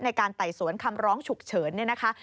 ไต่สวนคำร้องฉุกเฉินเนี่ยนะคะ